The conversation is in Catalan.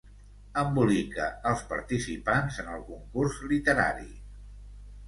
Embolica els participants en el concurs literari.